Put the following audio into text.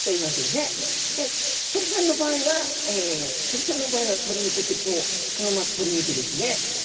で鳥さんの場合はえ鳥さんの場合は鳥肉ってこうこのまま鳥肉ですね。